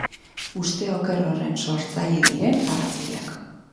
Uste oker horren sortzaile diren arrazoiak.